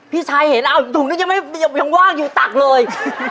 พี่ชัยเห็นเอาถุงนั้นยังว่างอยู่ตักเลย